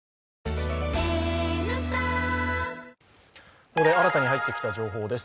ここで新たに入ってきた情報です。